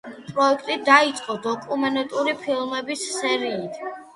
პროექტი დაიწყო დოკუმენტური ფილმების სერიით.